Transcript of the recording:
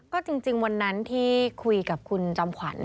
ก็จริงวันนั้นที่คุยกับคุณจอมขวัญ